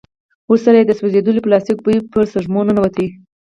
ورسره يې د سوځېدلي پلاستيک بوی پر سپږمو ننوت.